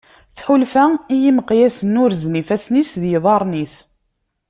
Tḥulfa i yimeqyasen urzen ifassen-is d yiḍarren-is.